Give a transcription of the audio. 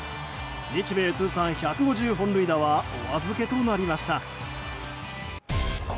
日米通算１５０本塁打はお預けとなりました。